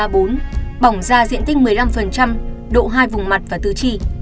bỏng da diện tích một mươi năm độ hai vùng mặt và tư chi